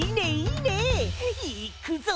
いっくぞ！